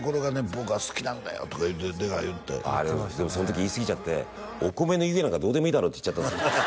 僕は好きなんだよとかって出川言ってたよありがとうございますでもその時言いすぎちゃってお米の湯気なんかどうでもいいだろって言っちゃったんですよ